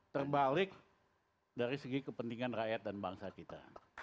terbalik dari segi kepentingan rakyat dan bangsa kita